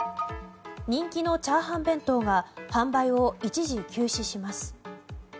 人気の炒飯弁当が販売を一時休止します。